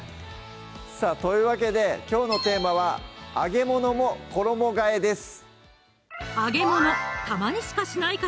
さぁというわけできょうのテーマは「揚げ物も衣替え」です